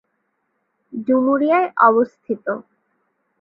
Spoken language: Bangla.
ডুমুরিয়ায় অবস্থিত।